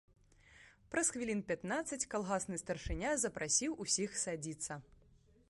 Праз хвілін пятнаццаць калгасны старшыня запрасіў усіх садзіцца.